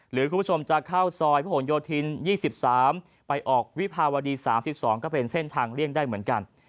หรือคุณผู้ชมจะเข้าซอยพระหลโยธิน๒๓ไปออกวิภาวดี๓๒ก็เป็นเส้นทางเลี่ยงได้เหมือนกัน